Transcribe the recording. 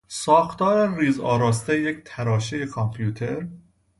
ساختار ریزآراستهی یک تراشهی کامپیوتر